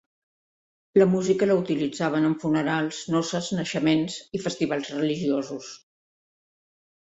La música la utilitzaven en funerals, noces, naixements i festivals religiosos.